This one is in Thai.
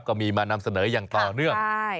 ก็มีมานำเสนออย่างต่อเนื่อง